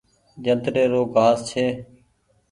جنتري رو گآس ڇي۔